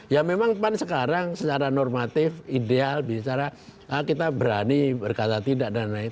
ya memang pan sekarang secara normatif ideal bicara kita berani berkata tidak dan lain lain